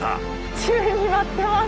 宙に舞ってます。